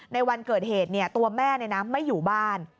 ในวันเกิดเหตุตัวแม่ไม่อยู่บ้าน